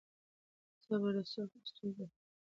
صبر د سختو ستونزو حل دی.